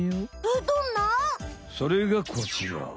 それがこちら！